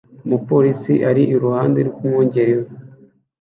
Umupolisi ari iruhande rwumwungeri we